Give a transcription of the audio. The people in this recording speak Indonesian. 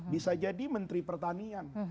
bisa jadi menteri pertanian